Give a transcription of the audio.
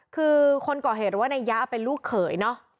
คือคนกรเหตุว่าในยะเป็นลูกเขย